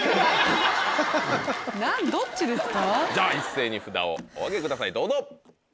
じゃあ一斉に札をお上げくださいどうぞ。